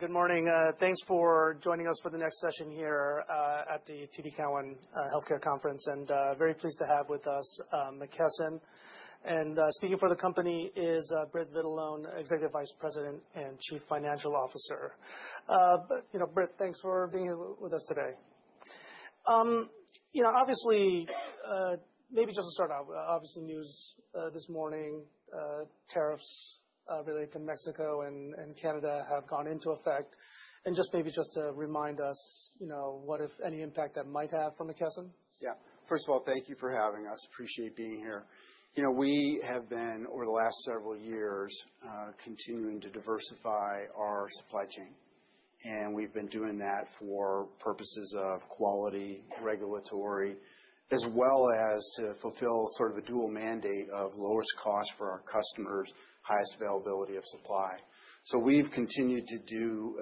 Good morning. Thanks for joining us for the next session here at the TD Cowen Healthcare Conference. Very pleased to have with us McKesson. Speaking for the company is Britt Vitalone, Executive Vice President and Chief Financial Officer. But, you know, Britt, thanks for being here with us today. You know, obviously, maybe just to start out, obviously, news this morning, tariffs related to Mexico and Canada have gone into effect. And just maybe to remind us, you know, what, if any, impact that might have for McKesson. Yeah. First of all, thank you for having us. Appreciate being here. You know, we have been, over the last several years, continuing to diversify our supply chain. And we've been doing that for purposes of quality, regulatory, as well as to fulfill sort of a dual mandate of lowest cost for our customers, highest availability of supply. So we've continued to do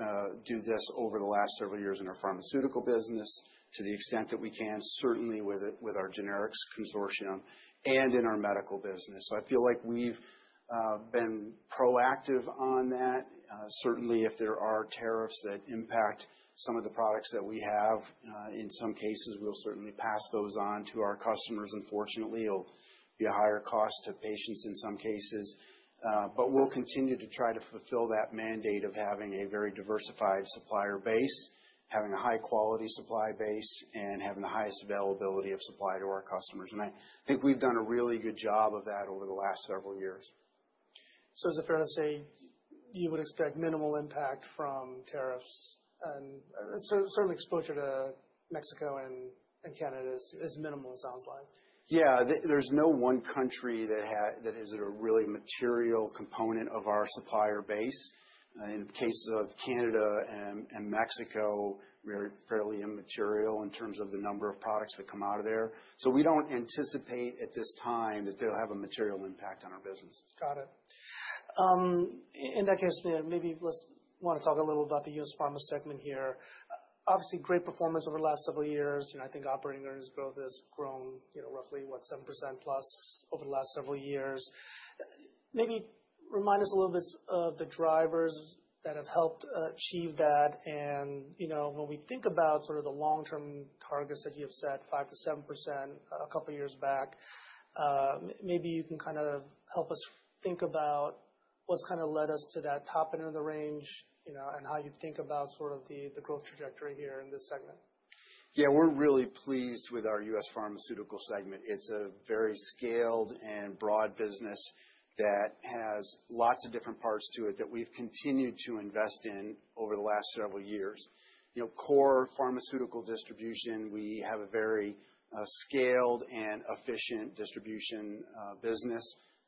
this over the last several years in our pharmaceutical business to the extent that we can, certainly with our generics consortium and in our medical business. So I feel like we've been proactive on that. Certainly, if there are tariffs that impact some of the products that we have, in some cases, we'll certainly pass those on to our customers. Unfortunately, it'll be a higher cost to patients in some cases. But we'll continue to try to fulfill that mandate of having a very diversified supplier base, having a high-quality supply base, and having the highest availability of supply to our customers. And I think we've done a really good job of that over the last several years. So is it fair to say you would expect minimal impact from tariffs? And certainly, exposure to Mexico and Canada is minimal, it sounds like. Yeah. There's no one country that is a really material component of our supplier base. In the case of Canada and Mexico, we are fairly immaterial in terms of the number of products that come out of there. So we don't anticipate at this time that they'll have a material impact on our business. Got it. In that case, maybe let's want to talk a little about the U.S. pharma segment here. Obviously, great performance over the last several years. You know, I think operating earnings growth has grown, you know, roughly, what, 7% plus over the last several years. Maybe remind us a little bit of the drivers that have helped achieve that, and you know, when we think about sort of the long-term targets that you have set, 5%-7% a couple of years back, maybe you can kind of help us think about what's kind of led us to that top end of the range, you know, and how you think about sort of the growth trajectory here in this segment. Yeah, we're really pleased with our U.S. Pharmaceutical segment. It's a very scaled and broad business that has lots of different parts to it that we've continued to invest in over the last several years. You know, core pharmaceutical distribution, we have a very scaled and efficient distribution business: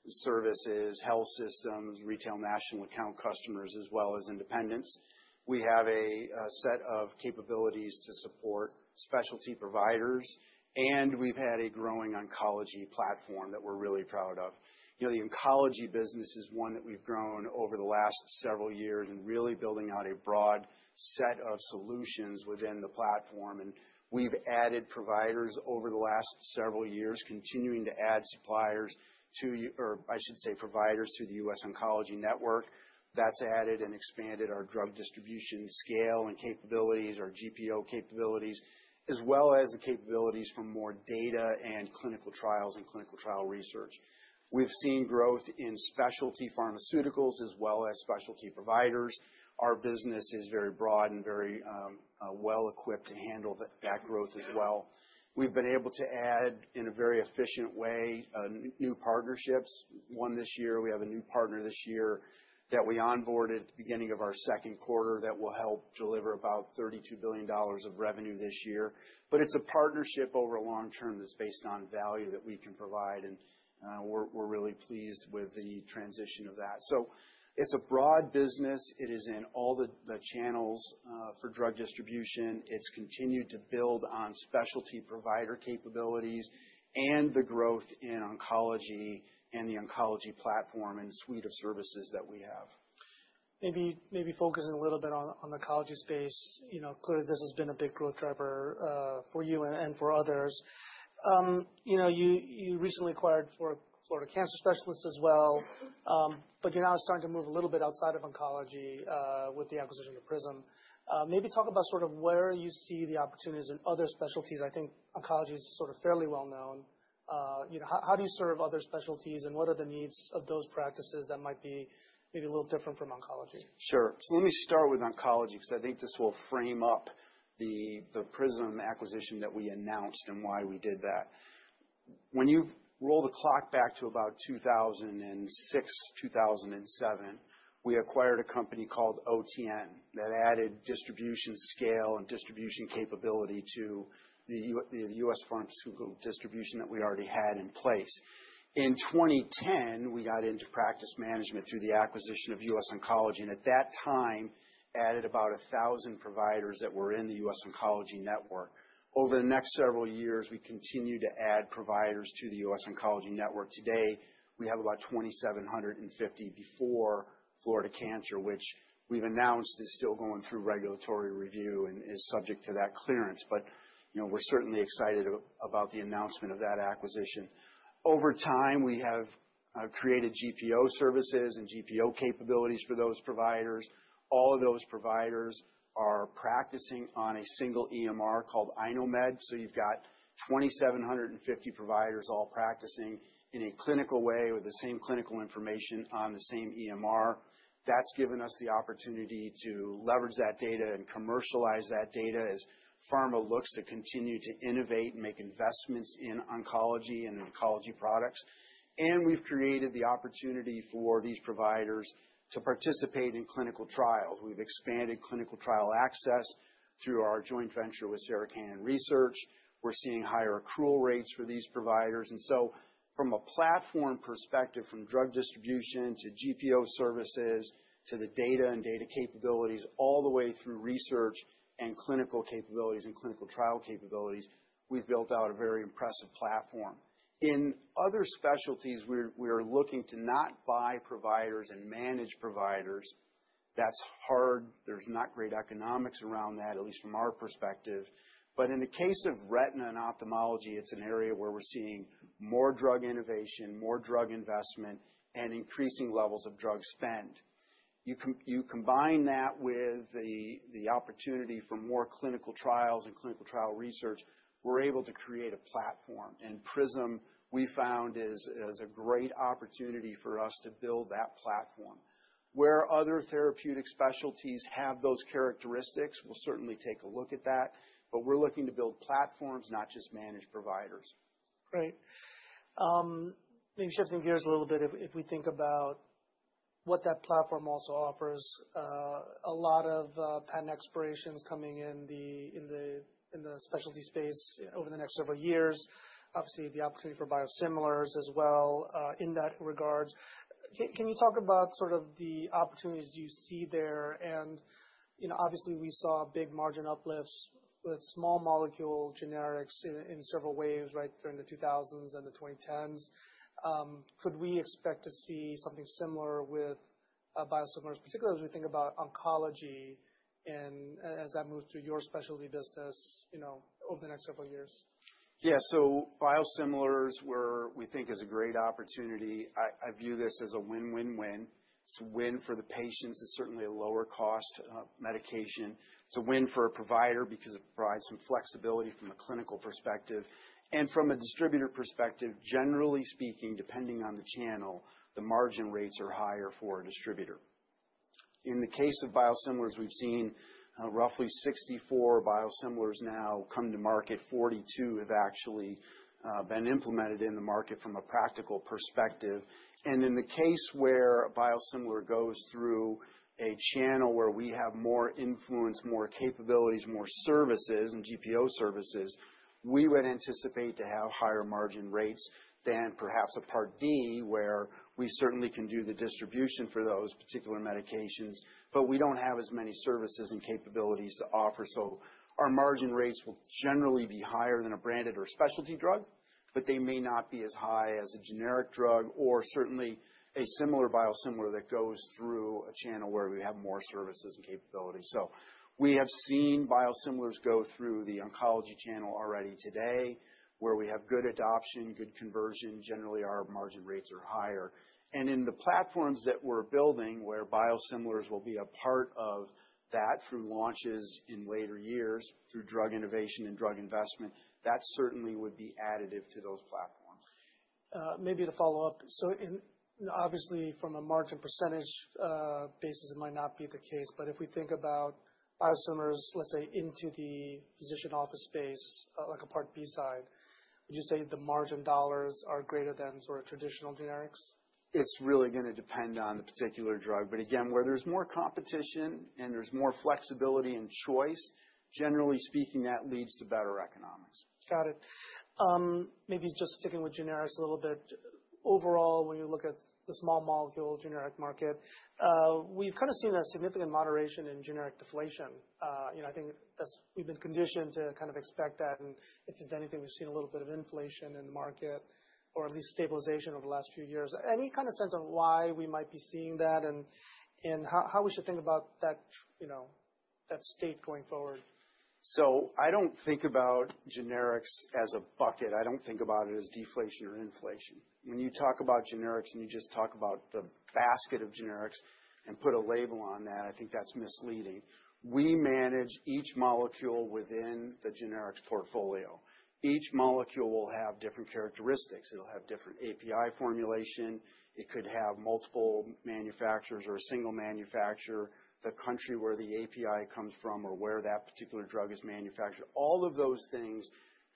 services, health systems, retail national account customers, as well as independents. We have a set of capabilities to support specialty providers, and we've had a growing oncology platform that we're really proud of. You know, the oncology business is one that we've grown over the last several years and really building out a broad set of solutions within the platform, and we've added providers over the last several years, continuing to add suppliers to, or I should say, providers to the U.S. Oncology Network. That's added and expanded our drug distribution scale and capabilities, our GPO capabilities, as well as the capabilities for more data and clinical trials and clinical trial research. We've seen growth in specialty pharmaceuticals as well as specialty providers. Our business is very broad and very well equipped to handle that growth as well. We've been able to add, in a very efficient way, new partnerships. One this year, we have a new partner this year that we onboarded at the beginning of our second quarter that will help deliver about $32 billion of revenue this year. But it's a partnership over a long term that's based on value that we can provide. And we're really pleased with the transition of that. So it's a broad business. It is in all the channels for drug distribution. It's continued to build on specialty provider capabilities and the growth in oncology and the oncology platform and suite of services that we have. Maybe focusing a little bit on the oncology space, you know, clearly this has been a big growth driver for you and for others. You know, you recently acquired Florida Cancer Specialists as well. But you're now starting to move a little bit outside of oncology with the acquisition of PRISM. Maybe talk about sort of where you see the opportunities in other specialties. I think oncology is sort of fairly well known. You know, how do you serve other specialties and what are the needs of those practices that might be maybe a little different from oncology? Sure. So let me start with oncology because I think this will frame up the PRISM acquisition that we announced and why we did that. When you roll the clock back to about 2006, 2007, we acquired a company called OTN that added distribution scale and distribution capability to the U.S. pharmaceutical distribution that we already had in place. In 2010, we got into practice management through the acquisition of U.S. Oncology, and at that time added about 1,000 providers that were in the U.S. Oncology Network. Over the next several years, we continued to add providers to the U.S. Oncology Network. Today, we have about 2,750 before Florida Cancer, which we've announced is still going through regulatory review and is subject to that clearance, but you know we're certainly excited about the announcement of that acquisition. Over time, we have created GPO services and GPO capabilities for those providers. All of those providers are practicing on a single EMR called iKnowMed, so you've got 2,750 providers all practicing in a clinical way with the same clinical information on the same EMR. That's given us the opportunity to leverage that data and commercialize that data as pharma looks to continue to innovate and make investments in oncology and oncology products, and we've created the opportunity for these providers to participate in clinical trials. We've expanded clinical trial access through our joint venture with Sarah Cannon Research. We're seeing higher accrual rates for these providers, and so from a platform perspective, from drug distribution to GPO services to the data and data capabilities, all the way through research and clinical capabilities and clinical trial capabilities, we've built out a very impressive platform. In other specialties, we are looking to not buy providers and manage providers. That's hard. There's not great economics around that, at least from our perspective. But in the case of retina and ophthalmology, it's an area where we're seeing more drug innovation, more drug investment, and increasing levels of drug spend. You combine that with the opportunity for more clinical trials and clinical trial research. We're able to create a platform. And PRISM, we found, is a great opportunity for us to build that platform. Where other therapeutic specialties have those characteristics, we'll certainly take a look at that, but we're looking to build platforms, not just manage providers. Great. Maybe shifting gears a little bit, if we think about what that platform also offers, a lot of patent expirations coming in the specialty space over the next several years, obviously the opportunity for biosimilars as well in that regard. Can you talk about sort of the opportunities you see there? And, you know, obviously, we saw big margin uplifts with small molecule generics in several waves, right, during the 2000s and the 2010s. Could we expect to see something similar with biosimilars, particularly as we think about oncology and as that moves to your specialty business, you know, over the next several years? Yeah. Biosimilars, we think, is a great opportunity. I view this as a win-win-win. It's a win for the patients. It's certainly a lower-cost medication. It's a win for a provider because it provides some flexibility from a clinical perspective. From a distributor perspective, generally speaking, depending on the channel, the margin rates are higher for a distributor. In the case of biosimilars, we've seen roughly 64 biosimilars now come to market. 42 have actually been implemented in the market from a practical perspective. In the case where a biosimilar goes through a channel where we have more influence, more capabilities, more services, and GPO services, we would anticipate to have higher margin rates than perhaps a Part D, where we certainly can do the distribution for those particular medications. We don't have as many services and capabilities to offer. So our margin rates will generally be higher than a branded or specialty drug, but they may not be as high as a generic drug or certainly a similar biosimilar that goes through a channel where we have more services and capabilities. So we have seen biosimilars go through the oncology channel already today, where we have good adoption, good conversion. Generally, our margin rates are higher. And in the platforms that we're building, where biosimilars will be a part of that through launches in later years, through drug innovation and drug investment, that certainly would be additive to those platforms. Maybe to follow up, so obviously, from a margin percentage basis, it might not be the case. But if we think about biosimilars, let's say, into the physician office space, like a Part B side, would you say the margin dollars are greater than sort of traditional generics? It's really going to depend on the particular drug. But again, where there's more competition and there's more flexibility and choice, generally speaking, that leads to better economics. Got it. Maybe just sticking with generics a little bit, overall, when you look at the small molecule generic market, we've kind of seen a significant moderation in generic deflation. You know, I think we've been conditioned to kind of expect that, and if anything, we've seen a little bit of inflation in the market, or at least stabilization over the last few years. Any kind of sense of why we might be seeing that and how we should think about that, you know, that state going forward? I don't think about generics as a bucket. I don't think about it as deflation or inflation. When you talk about generics and you just talk about the basket of generics and put a label on that, I think that's misleading. We manage each molecule within the generics portfolio. Each molecule will have different characteristics. It'll have different API formulation. It could have multiple manufacturers or a single manufacturer, the country where the API comes from or where that particular drug is manufactured. All of those things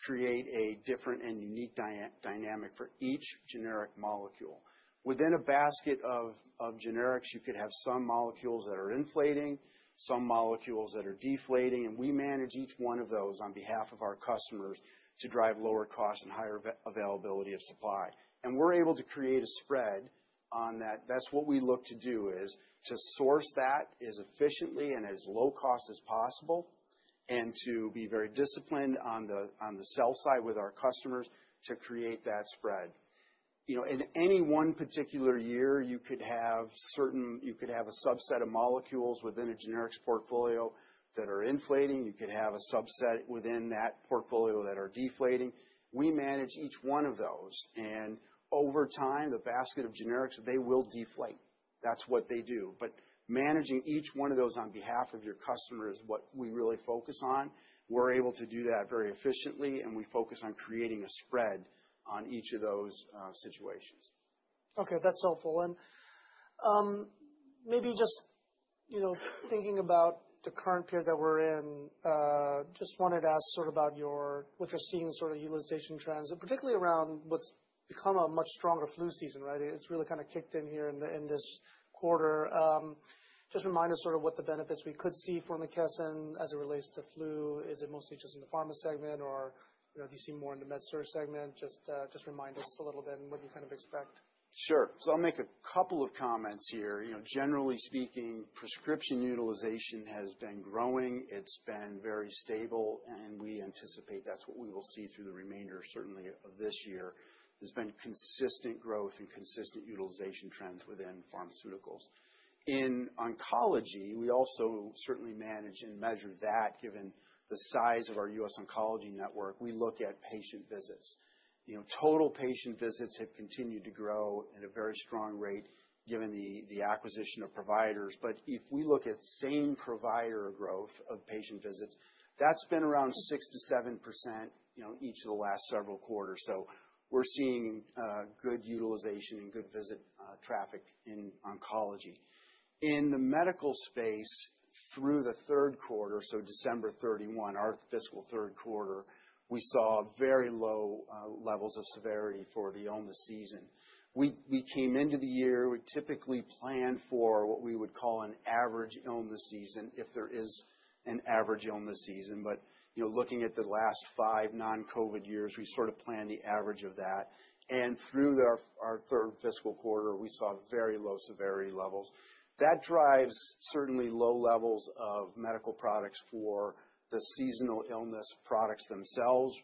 create a different and unique dynamic for each generic molecule. Within a basket of generics, you could have some molecules that are inflating, some molecules that are deflating. We manage each one of those on behalf of our customers to drive lower cost and higher availability of supply. We're able to create a spread on that. That's what we look to do, is to source that as efficiently and as low cost as possible and to be very disciplined on the sell side with our customers to create that spread. You know, in any one particular year, you could have a subset of molecules within a generics portfolio that are inflating. You could have a subset within that portfolio that are deflating. We manage each one of those. And over time, the basket of generics, they will deflate. That's what they do. But managing each one of those on behalf of your customer is what we really focus on. We're able to do that very efficiently. And we focus on creating a spread on each of those situations. Okay. That's helpful. And maybe just, you know, thinking about the current period that we're in, just wanted to ask sort of about what you're seeing sort of utilization trends, particularly around what's become a much stronger flu season, right? It's really kind of kicked in here in this quarter. Just remind us sort of what the benefits we could see for McKesson as it relates to flu. Is it mostly just in the pharma segment, or, you know, do you see more in the med-surg segment? Just remind us a little bit what you kind of expect. Sure. So I'll make a couple of comments here. You know, generally speaking, prescription utilization has been growing. It's been very stable. And we anticipate that's what we will see through the remainder, certainly, of this year. There's been consistent growth and consistent utilization trends within pharmaceuticals. In oncology, we also certainly manage and measure that given the size of our U.S. Oncology Network. We look at patient visits. You know, total patient visits have continued to grow at a very strong rate given the acquisition of providers. But if we look at same provider growth of patient visits, that's been around 6%-7%, you know, each of the last several quarters. So we're seeing good utilization and good visit traffic in oncology. In the medical space, through the third quarter, so December 31, our fiscal third quarter, we saw very low levels of severity for the illness season. We came into the year, we typically planned for what we would call an average illness season if there is an average illness season. But, you know, looking at the last five non-COVID years, we sort of planned the average of that. And through our third fiscal quarter, we saw very low severity levels. That drives certainly low levels of medical products for the seasonal illness products themselves,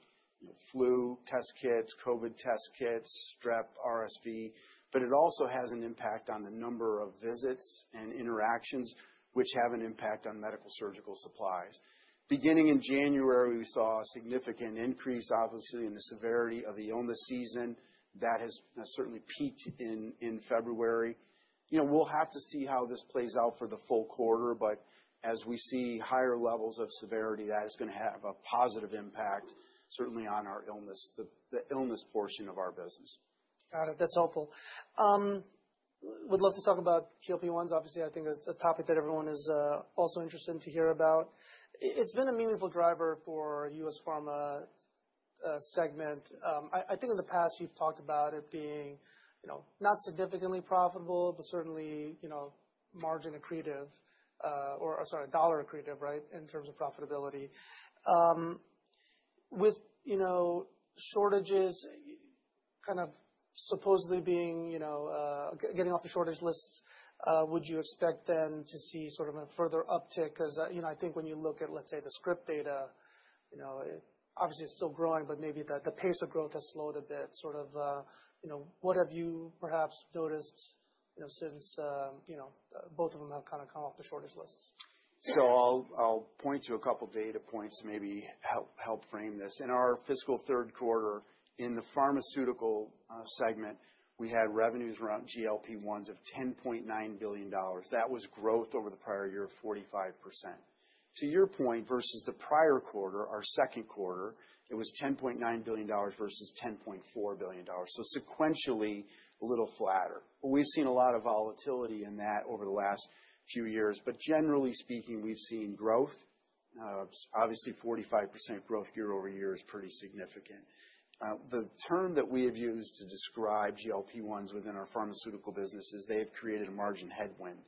you know, flu test kits, COVID test kits, strep, RSV. But it also has an impact on the number of visits and interactions, which have an impact on medical surgical supplies. Beginning in January, we saw a significant increase, obviously, in the severity of the illness season. That has certainly peaked in February. You know, we'll have to see how this plays out for the full quarter. But as we see higher levels of severity, that is going to have a positive impact, certainly on our claims, the claims portion of our business. Got it. That's helpful. Would love to talk about GLP-1s, obviously. I think it's a topic that everyone is also interested in to hear about. It's been a meaningful driver for U.S. pharma segment. I think in the past, you've talked about it being, you know, not significantly profitable, but certainly, you know, margin accretive, or sorry, dollar accretive, right, in terms of profitability. With, you know, shortages kind of supposedly being, you know, getting off the shortage lists, would you expect then to see sort of a further uptick? Because, you know, I think when you look at, let's say, the script data, you know, obviously it's still growing, but maybe the pace of growth has slowed a bit. Sort of, you know, what have you perhaps noticed, you know, since, you know, both of them have kind of come off the shortage lists? So I'll point to a couple of data points to maybe help frame this. In our fiscal third quarter, in the Pharmaceutical segment, we had revenues around GLP-1s of $10.9 billion. That was growth over the prior year of 45%. To your point, versus the prior quarter, our second quarter, it was $10.9 billion versus $10.4 billion. So sequentially, a little flatter. We've seen a lot of volatility in that over the last few years. But generally speaking, we've seen growth. Obviously, 45% growth year over year is pretty significant. The term that we have used to describe GLP-1s within our pharmaceutical business is they have created a margin headwind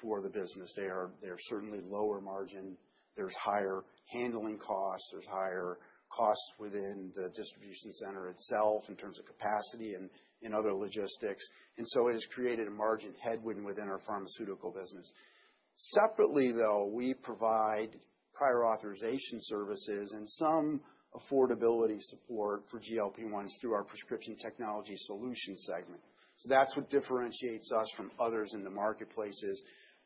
for the business. They are certainly lower margin. There's higher handling costs. There's higher costs within the distribution center itself in terms of capacity and in other logistics. It has created a margin headwind within our pharmaceutical business. Separately, though, we provide prior authorization services and some affordability support for GLP-1s through our prescription technology solution segment. That's what differentiates us from others in the marketplace is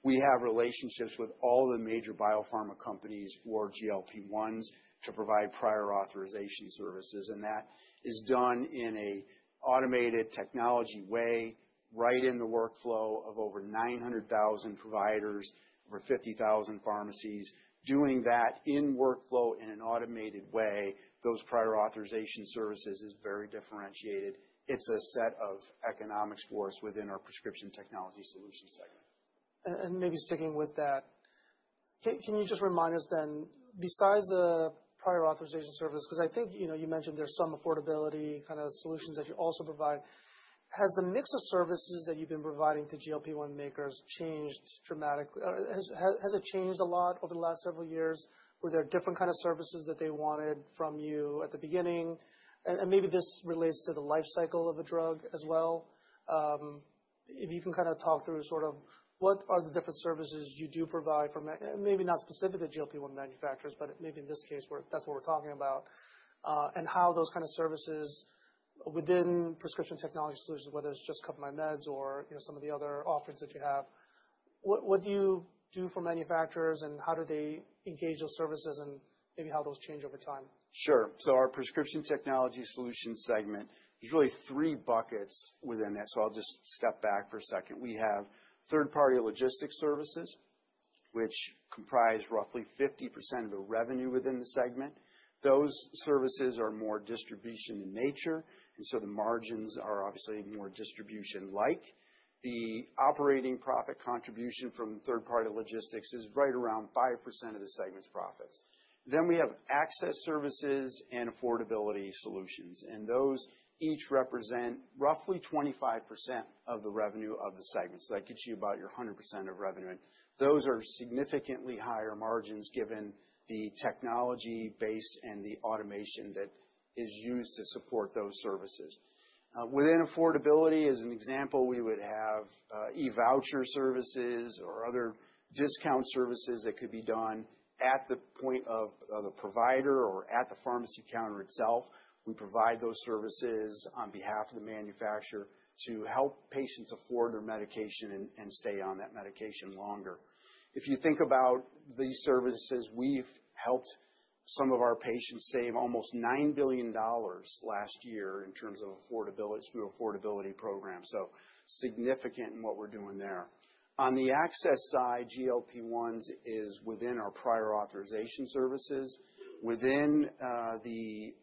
we have relationships with all the major biopharma companies for GLP-1s to provide prior authorization services. That is done in an automated technology way, right in the workflow of over 900,000 providers, over 50,000 pharmacies. Doing that in workflow in an automated way, those prior authorization services is very differentiated. It's a set of economics for us within our prescription technology solution segment. And maybe sticking with that, can you just remind us then, besides the prior authorization service, because I think, you know, you mentioned there's some affordability kind of solutions that you also provide, has the mix of services that you've been providing to GLP-1 makers changed dramatically? Has it changed a lot over the last several years? Were there different kind of services that they wanted from you at the beginning? And maybe this relates to the lifecycle of a drug as well. If you can kind of talk through sort of what are the different services you do provide for, maybe not specifically GLP-1 manufacturers, but maybe in this case, that's what we're talking about, and how those kind of services within prescription technology solutions, whether it's just CoverMyMeds or, you know, some of the other offerings that you have, what do you do for manufacturers and how do they engage those services and maybe how those change over time? Sure. So our prescription technology solution segment, there's really three buckets within that. So I'll just step back for a second. We have third-party logistics services, which comprise roughly 50% of the revenue within the segment. Those services are more distribution in nature. And so the margins are obviously more distribution-like. The operating profit contribution from third-party logistics is right around 5% of the segment's profits. Then we have access services and affordability solutions. And those each represent roughly 25% of the revenue of the segment. So that gets you about your 100% of revenue. And those are significantly higher margins given the technology base and the automation that is used to support those services. Within affordability, as an example, we would have e-voucher services or other discount services that could be done at the point of the provider or at the pharmacy counter itself. We provide those services on behalf of the manufacturer to help patients afford their medication and stay on that medication longer. If you think about these services, we've helped some of our patients save almost $9 billion last year in terms of through affordability programs, so significant in what we're doing there. On the access side, GLP-1s is within our prior authorization services. Within the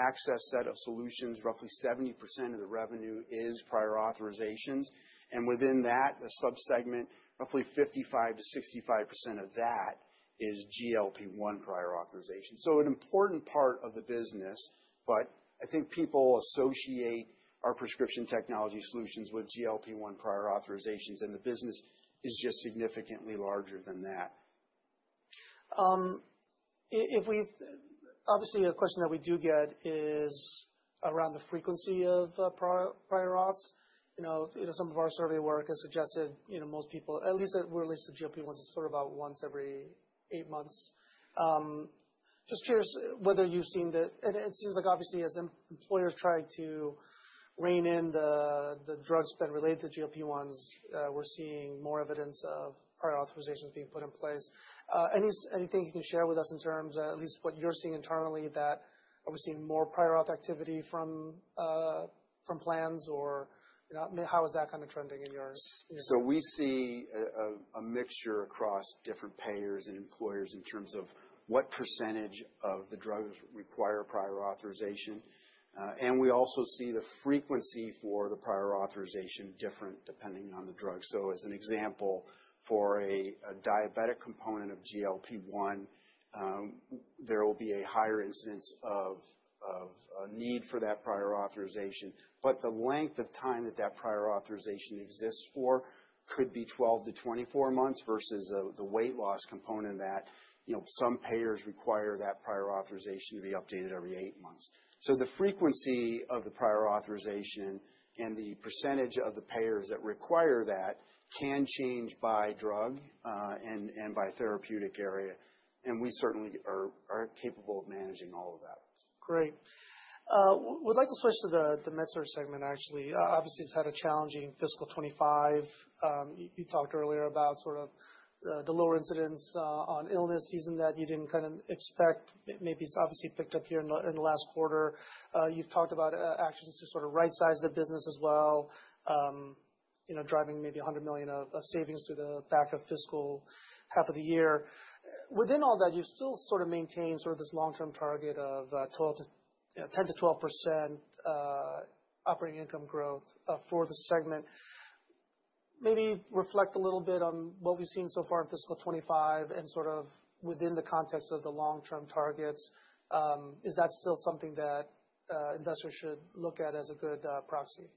access set of solutions, roughly 70% of the revenue is prior authorizations. And within that, the subsegment, roughly 55%-65% of that is GLP-1 prior authorization, so an important part of the business, but I think people associate our prescription technology solutions with GLP-1 prior authorizations. And the business is just significantly larger than that. Obviously, a question that we do get is around the frequency of prior auths. You know, some of our survey work has suggested, you know, most people, at least with respect to GLP-1s, it's sort of about once every eight months. Just curious whether you've seen that. And it seems like, obviously, as employers try to rein in the drug spend related to GLP-1s, we're seeing more evidence of prior authorizations being put in place. Anything you can share with us in terms of at least what you're seeing internally, that is, are we seeing more prior auth activity from plans or how is that kind of trending in your? We see a mixture across different payers and employers in terms of what percentage of the drugs require prior authorization. And we also see the frequency for the prior authorization different depending on the drug. So as an example, for a diabetic component of GLP-1, there will be a higher incidence of need for that prior authorization. But the length of time that that prior authorization exists for could be 12-24 months versus the weight loss component that, you know, some payers require that prior authorization to be updated every eight months. So the frequency of the prior authorization and the percentage of the payers that require that can change by drug and by therapeutic area. And we certainly are capable of managing all of that. Great. We'd like to switch to the Med-Surg segment, actually. Obviously, it's had a challenging fiscal 2025. You talked earlier about sort of the lower incidence on illness, using that you didn't kind of expect. Maybe it's obviously picked up here in the last quarter. You've talked about actions to sort of right-size the business as well, you know, driving maybe $100 million of savings through the back of fiscal half of the year. Within all that, you've still sort of maintained sort of this long-term target of 10%-12% operating income growth for the segment. Maybe reflect a little bit on what we've seen so far in fiscal 2025 and sort of within the context of the long-term targets. Is that still something that investors should look at as a good proxy?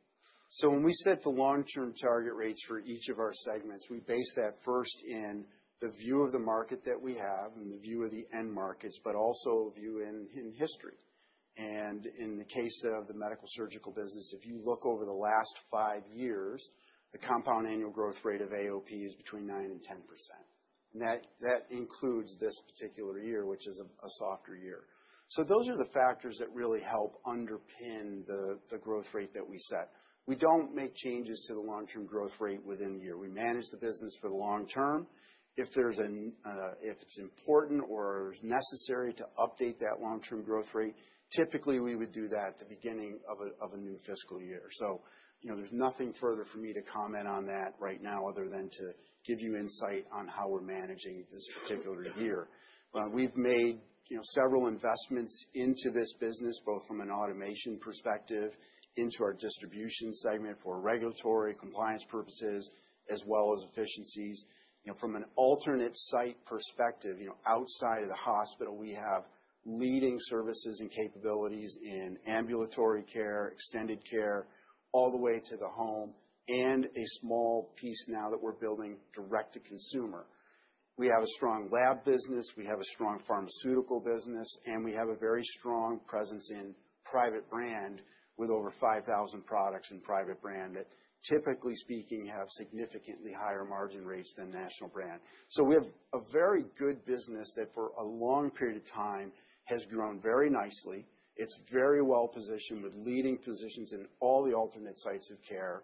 So when we set the long-term target rates for each of our segments, we base that first in the view of the market that we have and the view of the end markets, but also a view in history. And in the case of the medical surgical business, if you look over the last five years, the compound annual growth rate of AOP is between 9% and 10%. And that includes this particular year, which is a softer year. So those are the factors that really help underpin the growth rate that we set. We don't make changes to the long-term growth rate within the year. We manage the business for the long term. If it's important or necessary to update that long-term growth rate, typically we would do that at the beginning of a new fiscal year. So, you know, there's nothing further for me to comment on that right now other than to give you insight on how we're managing this particular year. We've made, you know, several investments into this business, both from an automation perspective into our distribution segment for regulatory compliance purposes, as well as efficiencies. You know, from an alternate site perspective, you know, outside of the hospital, we have leading services and capabilities in ambulatory care, extended care, all the way to the home, and a small piece now that we're building direct to consumer. We have a strong lab business. We have a strong pharmaceutical business. And we have a very strong presence in private brand with over 5,000 products in private brand that, typically speaking, have significantly higher margin rates than national brand. So we have a very good business that for a long period of time has grown very nicely. It's very well positioned with leading positions in all the alternate sites of care.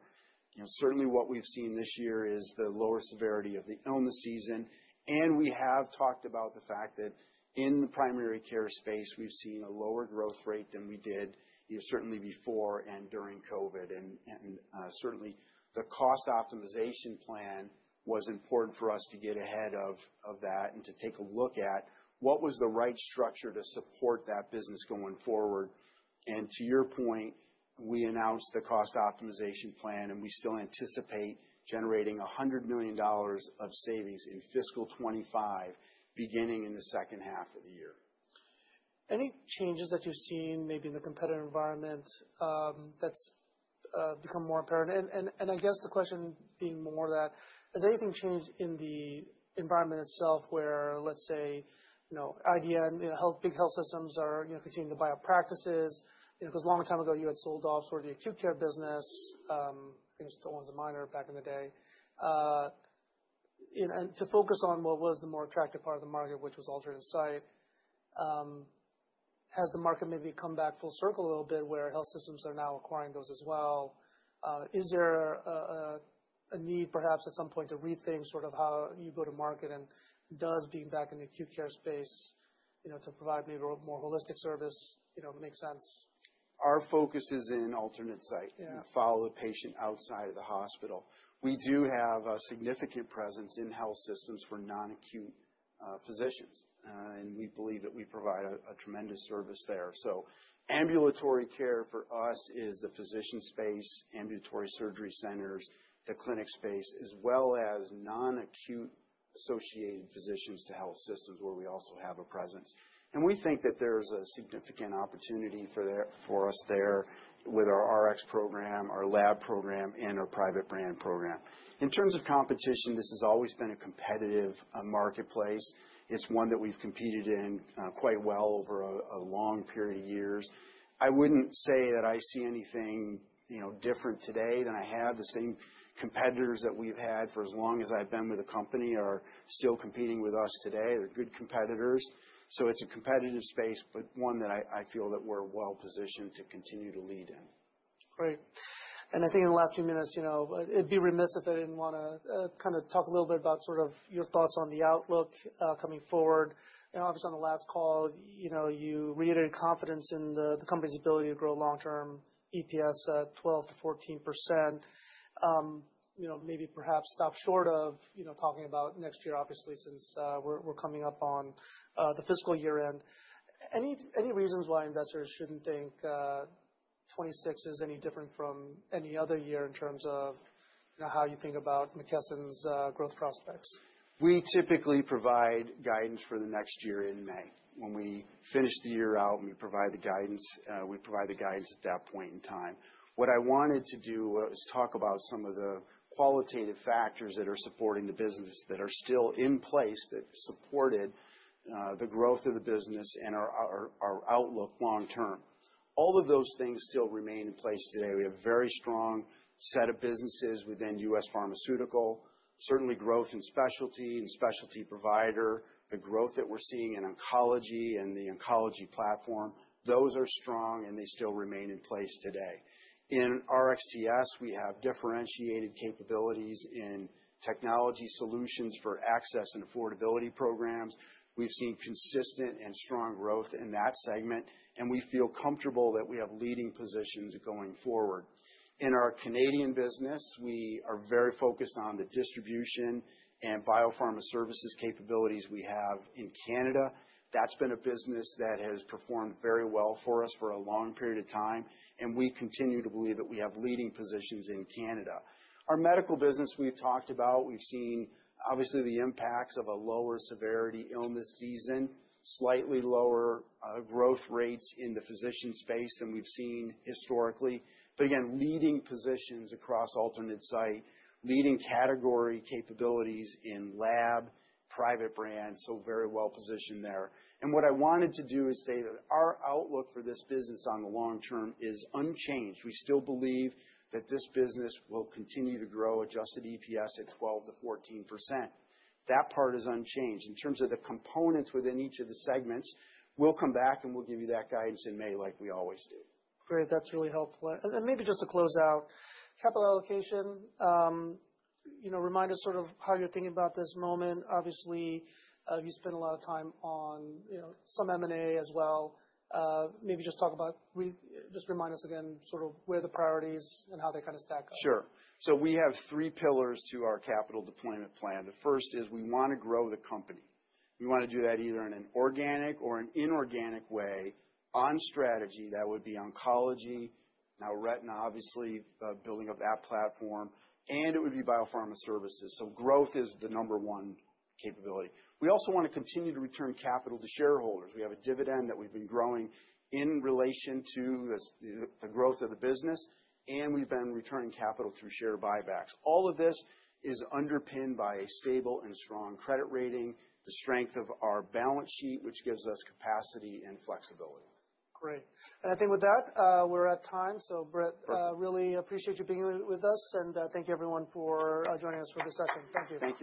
You know, certainly what we've seen this year is the lower severity of the illness season. And we have talked about the fact that in the primary care space, we've seen a lower growth rate than we did, you know, certainly before and during COVID. And certainly the cost optimization plan was important for us to get ahead of that and to take a look at what was the right structure to support that business going forward. And to your point, we announced the cost optimization plan, and we still anticipate generating $100 million of savings in fiscal 2025 beginning in the second half of the year. Any changes that you've seen maybe in the competitive environment that's become more apparent? And I guess the question being more that, has anything changed in the environment itself where, let's say, you know, IDN, you know, big health systems are, you know, continuing to buy up practices? You know, because a long time ago, you had sold off sort of the acute care business, I think it was still Owens & Minor back in the day, you know, and to focus on what was the more attractive part of the market, which was alternative site. Has the market maybe come back full circle a little bit where health systems are now acquiring those as well? Is there a need perhaps at some point to rethink sort of how you go to market and does being back in the acute care space, you know, to provide maybe a more holistic service, you know, make sense? Our focus is in alternate site. You follow the patient outside of the hospital. We do have a significant presence in health systems for non-acute physicians. And we believe that we provide a tremendous service there. So ambulatory care for us is the physician space, ambulatory surgery centers, the clinic space, as well as non-acute associated physicians to health systems where we also have a presence. And we think that there's a significant opportunity for us there with our RX program, our lab program, and our private brand program. In terms of competition, this has always been a competitive marketplace. It's one that we've competed in quite well over a long period of years. I wouldn't say that I see anything, you know, different today than I have. The same competitors that we've had for as long as I've been with the company are still competing with us today. They're good competitors. So it's a competitive space, but one that I feel that we're well positioned to continue to lead in. Great. And I think in the last few minutes, you know, I'd be remiss if I didn't want to kind of talk a little bit about sort of your thoughts on the outlook coming forward. You know, obviously on the last call, you know, you reiterated confidence in the company's ability to grow long-term EPS at 12%-14%. You know, maybe perhaps stop short of, you know, talking about next year, obviously, since we're coming up on the fiscal year end. Any reasons why investors shouldn't think 2026 is any different from any other year in terms of, you know, how you think about McKesson's growth prospects? We typically provide guidance for the next year in May. When we finish the year out and we provide the guidance, we provide the guidance at that point in time. What I wanted to do is talk about some of the qualitative factors that are supporting the business that are still in place that supported the growth of the business and our outlook long term. All of those things still remain in place today. We have a very strong set of businesses within U.S. Pharmaceutical, certainly growth in specialty and specialty provider. The growth that we're seeing in oncology and the oncology platform, those are strong and they still remain in place today. In RXTS, we have differentiated capabilities in technology solutions for access and affordability programs. We've seen consistent and strong growth in that segment, and we feel comfortable that we have leading positions going forward. In our Canadian business, we are very focused on the distribution and biopharma services capabilities we have in Canada. That's been a business that has performed very well for us for a long period of time. And we continue to believe that we have leading positions in Canada. Our medical business, we've talked about. We've seen, obviously, the impacts of a lower severity illness season, slightly lower growth rates in the physician space than we've seen historically. But again, leading positions across alternate site, leading category capabilities in lab, private brand, so very well positioned there. And what I wanted to do is say that our outlook for this business on the long term is unchanged. We still believe that this business will continue to grow Adjusted EPS at 12%-14%. That part is unchanged. In terms of the components within each of the segments, we'll come back and we'll give you that guidance in May like we always do. Great. That's really helpful. And maybe just to close out, capital allocation, you know, remind us sort of how you're thinking about this moment. Obviously, you spent a lot of time on, you know, some M&A as well. Maybe just talk about, just remind us again sort of where the priorities and how they kind of stack up. Sure. So we have three pillars to our capital deployment plan. The first is we want to grow the company. We want to do that either in an organic or an inorganic way on strategy that would be oncology, now retina, obviously, building up that platform. And it would be biopharma services. So growth is the number one capability. We also want to continue to return capital to shareholders. We have a dividend that we've been growing in relation to the growth of the business. And we've been returning capital through share buybacks. All of this is underpinned by a stable and strong credit rating, the strength of our balance sheet, which gives us capacity and flexibility. Great. And I think with that, we're at time. So, Britt, really appreciate you being with us. And thank you, everyone, for joining us for this session. Thank you. Thank you.